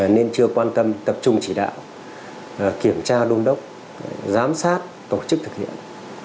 nên chưa quan tâm tập trung chỉ đạo kiểm tra đôn đốc giám sát tổ chức thực hiện